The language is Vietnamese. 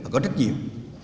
có trách nhiệm